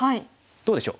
どうでしょう？